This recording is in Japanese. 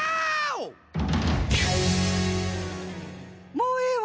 もうええわ！